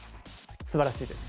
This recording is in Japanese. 素晴らしいです。